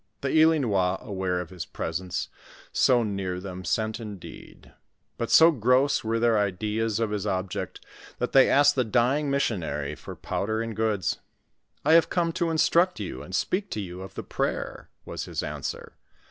The Ilinois aware of his presence 80 near them, sent indeed ; but so gross were their ideas of his object, that they asked the dying missionary for powder and goods. "I have come to instruct you, and speak to you of the prayer," was his answer.